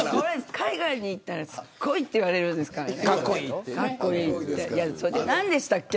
海外に行ったらすごいって言われるんですからかっこいいって。